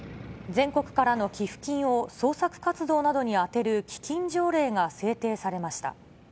全国からの寄付金を捜索活動などに充てる基金条例が制定されました。